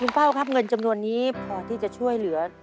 เป้าครับเงินจำนวนนี้พอที่จะช่วยเหลือ